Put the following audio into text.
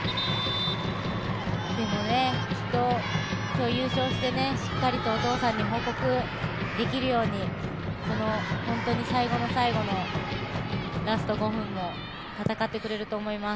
でも、きっと今日、優勝してしっかりとお父さんに報告できるように最後の最後のラスト５分も戦ってくれると思います。